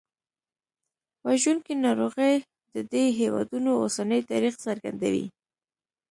وژونکي ناروغۍ د دې هېوادونو اوسني تاریخ څرګندوي.